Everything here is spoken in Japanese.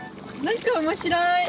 何か面白い。